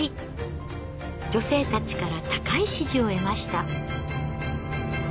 女性たちから高い支持を得ました。